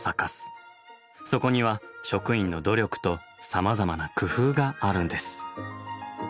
そこには職員の努力とさまざまな工夫があるんです。